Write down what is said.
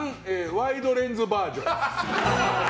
ワイドレンズバージョン。